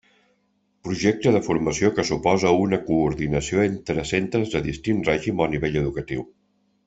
Projecte de formació que suposa una coordinació entre centres de distint règim o nivell educatiu.